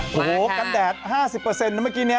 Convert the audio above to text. โอ้โหกันแดด๕๐นะเมื่อกี้นี้